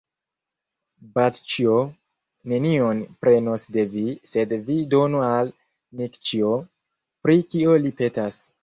Bazĉjo nenion prenos de vi, sed vi donu al Nikĉjo, pri kio li petas.